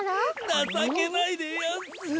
なさけないでやんす。